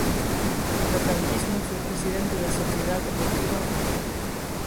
No franquismo foi presidente da Sociedad Deportiva Ulla.